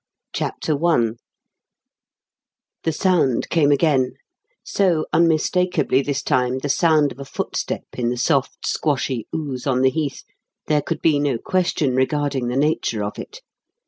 CHAPTER I The sound came again so unmistakably, this time, the sound of a footstep in the soft, squashy ooze on the Heath, there could be no question regarding the nature of it.